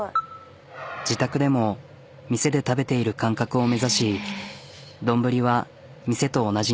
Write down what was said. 自宅でも店で食べている感覚を目指し丼は店と同じに。